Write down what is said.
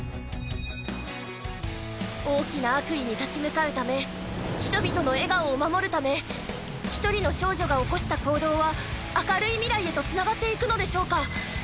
大きな悪意に立ち向かうため人々の笑顔を守るため１人の少女が起こした行動は明るい未来へとつながっていくのでしょうか？